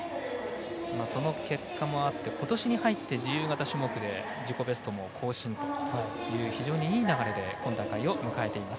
その結果もあって今年に入って自由形種目で自己ベストも更新という非常にいい流れで今大会を迎えています。